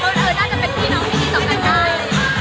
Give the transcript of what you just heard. เพราะว่าน่าจะเป็นพี่น้องพี่ที่ส่องกันกัน